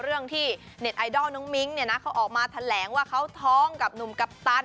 เรื่องที่เน็ตไอดอลน้องมิ้งเนี่ยนะเขาออกมาแถลงว่าเขาท้องกับหนุ่มกัปตัน